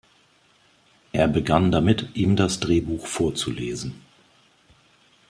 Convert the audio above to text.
Er begann damit, ihm das Drehbuch vorzulesen.